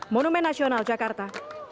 monumen nasional jakarta